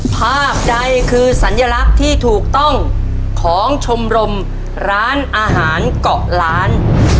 ภาพใดคือสัญลักษณ์ที่ถูกต้องของชมรมร้านอาหารเกาะล้าน